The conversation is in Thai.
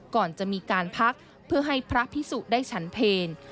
ก่อนจะมีการพักเพื่อให้พระพิสุได้ฉันเพล